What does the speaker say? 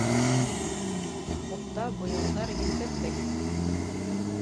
Яҡупта буяуҙар етерлек.